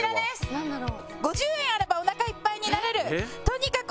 なんだろう？